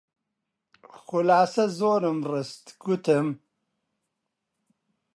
خولاسە زۆرم ڕست، گوتم: